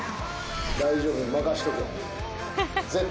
大丈夫、任せとけ。